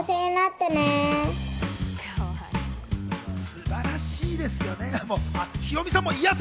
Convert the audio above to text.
素晴らしいですよね。